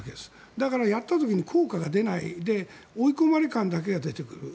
だからやった時に効果が出ないで追い込まれ感だけが出てくる。